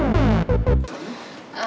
kan kita udah kelas semua kan